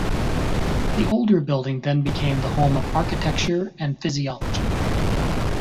The older building then became the home of Architecture and Physiology.